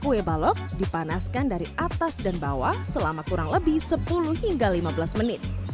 kue balok dipanaskan dari atas dan bawah selama kurang lebih sepuluh hingga lima belas menit